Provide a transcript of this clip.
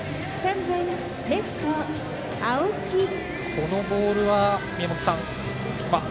このボールは宮本さん